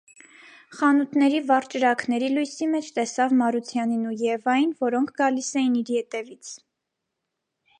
Խանութների վառ ճրագների լույսի մեջ տեսավ Մարությանին ու Եվային, որոնք գալիս էին իր ետևից: